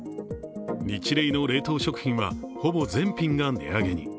ニチレイの冷凍食品はほぼ全品が値上げに。